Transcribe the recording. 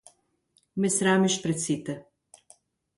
Ме срамиш пред сите.